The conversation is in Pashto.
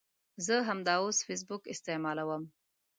زه همداوس فیسبوک استعمالوم